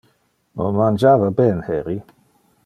On mangiava ben heri.